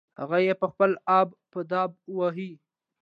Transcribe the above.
هغه يې په خپله ابه په دبه وهي.